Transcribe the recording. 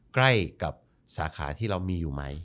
ใกล้กับสาขาที่เรามีอยู่ไหม